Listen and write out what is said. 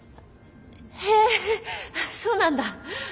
へえそうなんだ。